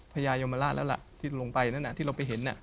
พญายมระแล้วล่ะที่ลงไปนั่นที่เราไปเห็น